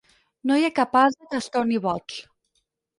No hi ha cap ase que es torni boig.